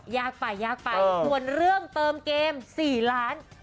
ยากไปหวนเรื่องเติมเกม๔ล้าน